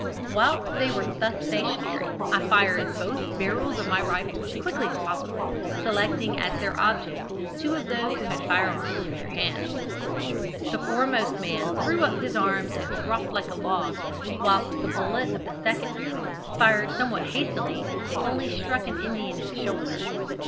Whilst they were thus stationary I fired both barrels of my rifle as quickly as possible, selecting as their object two of those who had firearms in their hands. The foremost man threw up his arms and dropped like a log, whilst the bullet of the second barrel, fired somewhat hastily, only struck an Indian in the shoulder.